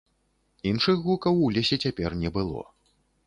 Іншых гукаў у лесе цяпер не было.